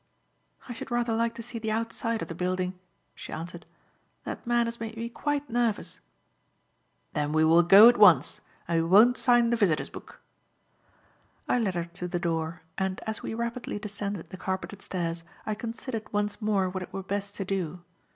"I should rather like to see the outside of the building," she answered. "That man has made me quite nervous." "Then we will go at once, and we won't sign the visitor's book." I led her to the door, and, as we rapidly descended the carpeted stairs, I considered once more what it were best to do.